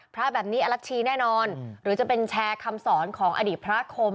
พระแบบนี้อรัชชีแน่นอนหรือจะเป็นแชร์คำสอนของอดีตพระคม